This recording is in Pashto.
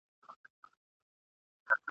ملنګه ! د دریاب دوه غاړې چېرې دي یو شوي !.